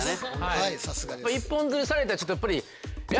はいさすがです。